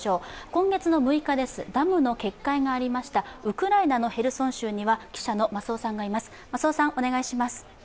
今月６日、ダムの決壊がありましたウクライナのヘルソン州には記者の増尾さんがいます。